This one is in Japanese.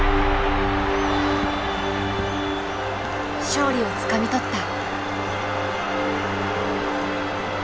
勝利をつかみ取った。